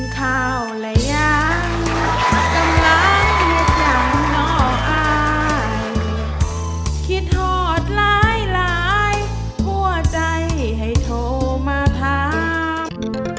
โปรดติดตามตอนต่อไป